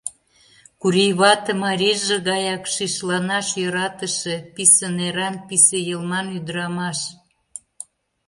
Курий вате — марийже гаяк шишланаш йӧратыше, писе неран; писе йылман ӱдырамаш.